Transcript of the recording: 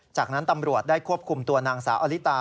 จากนั้นตำรวจได้ควบคุมตัวนางสาวอลิตา